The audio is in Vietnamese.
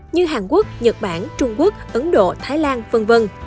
như hàn quốc nhật bản trung quốc ấn độ thái lan v v